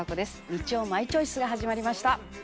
『日曜マイチョイス』が始まりました。